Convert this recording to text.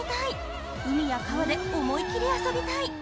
海や川で思い切り遊びたい！